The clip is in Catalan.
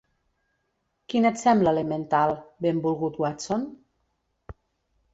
Quin et sembla l'emmental, benvolgut Watson?